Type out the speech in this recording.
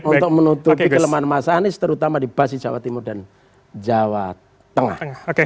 untuk menutupi kelemahan masyarakat terutama di basi jawa timur dan jawa tengah